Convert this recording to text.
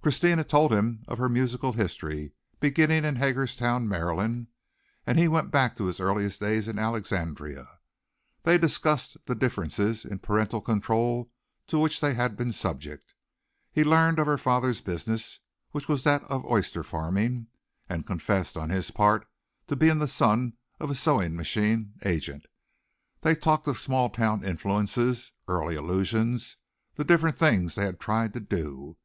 Christina told him of her musical history, beginning at Hagerstown, Maryland, and he went back to his earliest days in Alexandria. They discussed the differences in parental control to which they had been subject. He learned of her father's business, which was that of oyster farming, and confessed on his part to being the son of a sewing machine agent. They talked of small town influences, early illusions, the different things they had tried to do.